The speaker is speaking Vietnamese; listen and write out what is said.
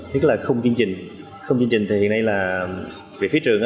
tức là khung chương trình khung chương trình thì hiện nay là vị phía trường